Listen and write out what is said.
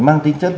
mang tính chất